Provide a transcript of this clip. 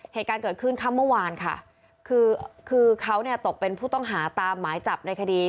เหตุการณ์เกิดขึ้นค่ำเมื่อวานค่ะคือคือเขาเนี่ยตกเป็นผู้ต้องหาตามหมายจับในคดี